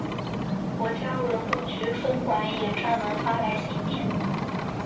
国家文物局分管领导也专门发来唁电。